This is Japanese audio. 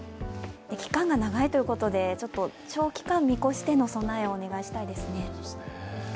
期間が長いということで、長期間見越しての備えをお願いしたいですね。